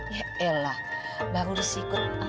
ya elah baru disikut